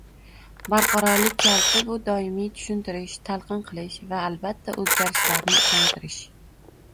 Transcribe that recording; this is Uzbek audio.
Barqarorlik kaliti - bu doimiy tushuntirish, talqin qilish va, albatta, o'zgarishlarni ishontirish